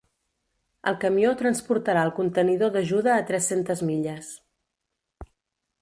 El camió transportarà el contenidor d'ajuda a tres-centes milles.